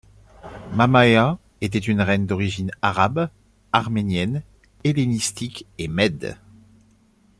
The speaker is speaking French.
Mamaea était une reine d'origine Arabe, Arménienne, Hellénistique et Mède.